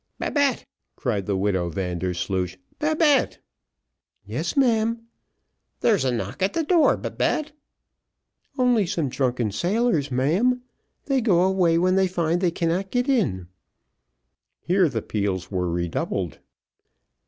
"Babette," cried the widow Vandersloosh, "Babette." "Yes, ma'am." "There's a knock at the door, Babette." "Only some drunken sailors, ma'am they go away when they find they cannot get in." Here the peals were redoubled.